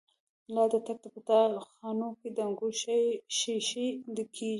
لا د تاک په تا خانو کی، دانګور ښيښی ډکيږی